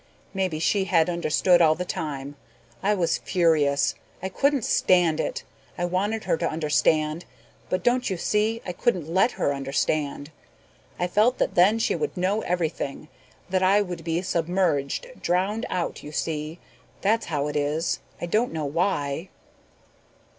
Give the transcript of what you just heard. Maybe she had understood all the time. I was furious. I couldn't stand it. I wanted her to understand but, don't you see, I couldn't let her understand. I felt that then she would know everything, that I would be submerged, drowned out, you see. That's how it is. I don't know why."